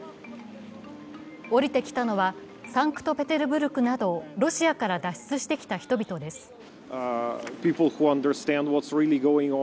降りてきたのは、サンクトペテルブルクなどロシアから脱出してきた人々です。